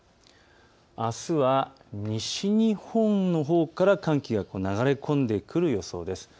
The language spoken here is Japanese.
あすは西日本のほうから寒気が流れ込んでくる予想です。